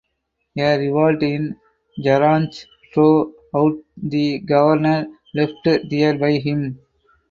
A revolt in Zaranj drove out the governor left there by him.